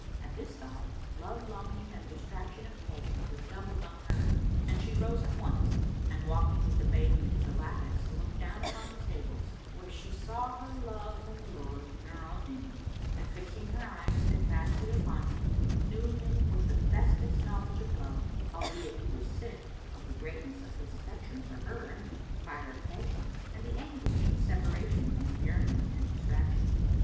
At this thought, love longing and distraction of passion redoubled on her and she rose at once and walking with the maiden to the lattice, looked down upon the stables, where she saw her love and lord Nur al Din and fixing her eyes steadfastly upon him, knew him with the bestest knowledge of love, albeit he was sick, of the greatness of his affection for her and of the fire of passion, and the anguish of separation and yearning and distraction.